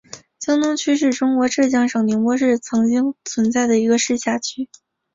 江东区是中国浙江省宁波市曾经存在的一个市辖区。